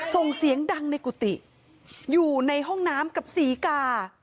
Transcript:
ส่งเสียงดังในกุฏิอยู่ในห้องน้ำกับศรีกา